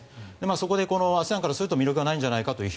そこでこのＡＳＥＡＮからすると魅力がないんじゃないかという